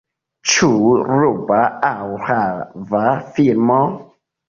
Ĉu ruba aŭ rava filmo?